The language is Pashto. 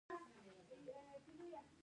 زردالو د افغان ځوانانو د هیلو استازیتوب کوي.